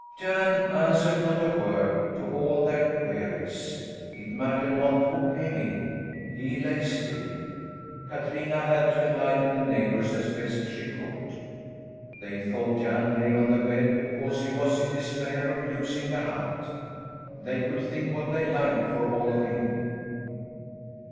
Jan answered not a word to all their queries. It mattered not who came in he lay still. Katrina had to enlighten the neighbours as best she could. They thought Jan lay on the bed because he was in despair of losing the hut. They could think what they liked for all of him.